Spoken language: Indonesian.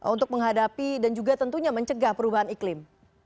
untuk menghadapi dan juga tentunya mencegah perubahan iklim